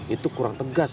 itu kurang tegas